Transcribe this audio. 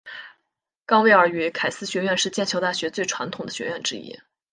冈维尔与凯斯学院是剑桥大学最传统的学院之一。